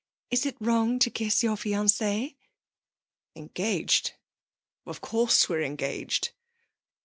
'Is it wrong to kiss your fiancée?' 'Engaged? Of course we're engaged.